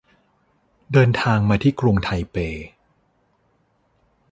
เดินทางมาที่กรุงไทเป